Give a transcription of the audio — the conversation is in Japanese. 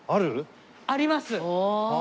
あります。